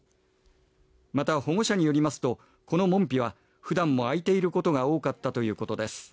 また、保護者によりますとこの門扉は普段も開いていることが多かったということです。